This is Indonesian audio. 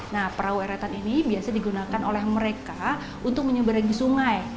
nah perahu eretan ini biasa digunakan oleh mereka untuk menyeberangi sungai